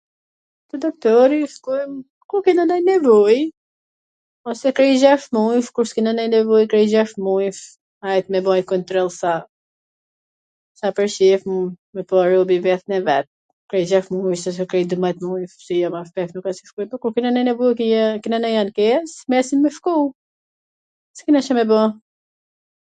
Te doktori shkojm kur kena ndonjw nevoj, ose krye gjasht mujsh kur s kena nonj nevoj, n krye gjasht mujsh, aq me bo nj kontroll sa pwr qef, me pa robi veten e vet, n krye gjasht mujsh n krye dymbdhjet mujsh, ose ma shpesh kur kena ndonj nevoj, po kur kena nanj nevoj, nanj ankes, presim me shku, s kena Ca me ba.